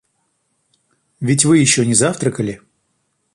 Ведь вы еще не завтракали?